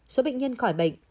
số bệnh nhân khỏi bệnh